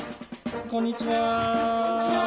こんにちは。